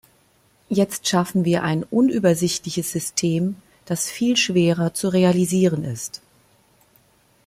Jetzt schaffen wir ein unübersichtliches System, das viel schwerer zu realisieren ist.